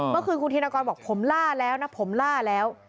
เมื่อคืนคุณธินกรบอกผมล่าแล้วนะผมล่าแล้ว